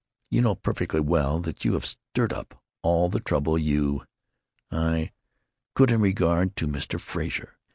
You know perfectly well that you have stirred up all the trouble you——" "I——" "——could in regard to Mr. Frazer.